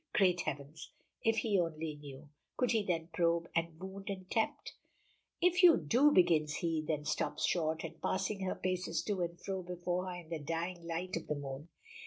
Great heavens! if he only knew could he then probe, and wound, and tempt! "If you do " begins he then stops short, and passing her, paces to and fro before her in the dying light of the moon.